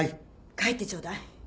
帰ってちょうだい。